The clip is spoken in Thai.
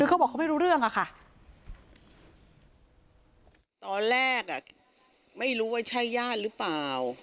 คือเขาบอกเขาไม่รู้เรื่องอะค่ะตอนแรกอ่ะไม่รู้ว่าใช่ญาติหรือเปล่า